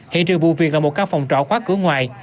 hiện trường vụ việc là một căn phòng trọ khóa cửa ngoài